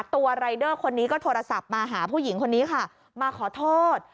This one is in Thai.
รายเดอร์คนนี้ก็โทรศัพท์มาหาผู้หญิงคนนี้ค่ะมาขอโทษ